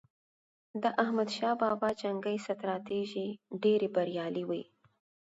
د احمد شاه بابا جنګي ستراتیژۍ ډېرې بریالي وي.